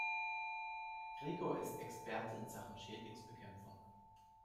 Gregor ist Experte in Sachen Schädlingsbekämpfung.